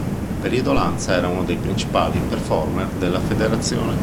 In quel periodo Lanza era uno dei principali performer della federazione.